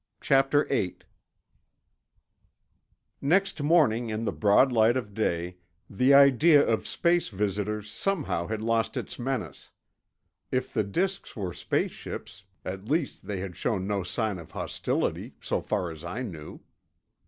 CHAPTER VIII Next morning, in the broad light of day, the idea of space visitors somehow had lost its menace. If the disks were space ships, at least they had shown no sign of hostility, so far as I knew.